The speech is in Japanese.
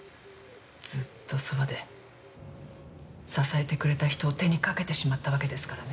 ずっとそばで支えてくれた人を手に掛けてしまったわけですからね。